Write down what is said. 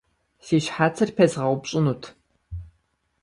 Си щхьэцыр пезгъэупщӏынут.